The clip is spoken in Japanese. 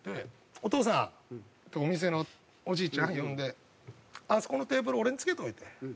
お父さん！ってお店のおじいちゃん呼んで「あそこのテーブル俺につけといて」。